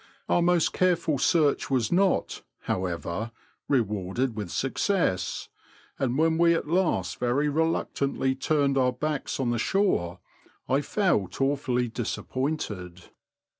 Our most careful search was not, however, rewarded with success, and when we at last very reluctantly turned our backs on the shore, I felt awfully disappointed.